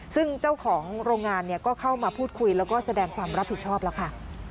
ซึ่งเจ้าของโรงงานก็เข้ามาพูดคุยแล้วก็แสดงความรับผิดชอบแล้วค่ะ